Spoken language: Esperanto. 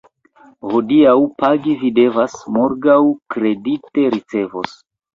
Hodiaŭ pagi vi devas, morgaŭ kredite ricevos.